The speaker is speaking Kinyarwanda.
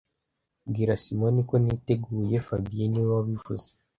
Bwira Simoni ko niteguye fabien niwe wabivuze